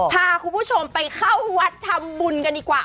พาคุณผู้ชมไปเข้าวัดทำบุญกันดีกว่า